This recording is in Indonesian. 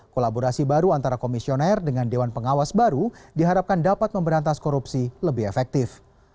kolaborasi baru antara komisioner dengan dewan pengawas baru diharapkan dapat memberantas korupsi lebih efektif